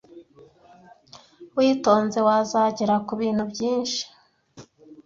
witonze wazagera ku bintu byinshi